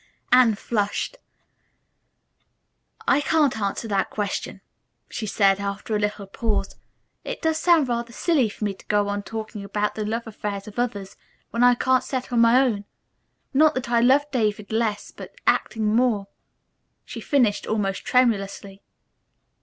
Anne flushed. "I can't answer that question," she said, after a little pause. "It does sound rather silly for me to go on talking about the love affairs of others when I can't settle my own. Not that I love David less, but acting more," she finished almost tremulously.